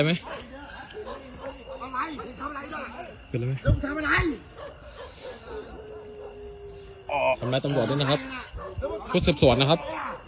ทำไมตำรวจด้วยนะครับพูดเสียบสวนนะครับ